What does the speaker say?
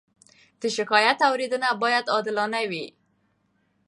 د شکایت اورېدنه باید عادلانه وي.